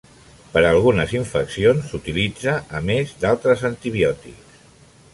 Per a algunes infeccions s'utilitza a més d'altres antibiòtics.